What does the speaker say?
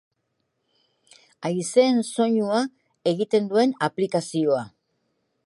Haizeen soinua egiten duen aplikazioa.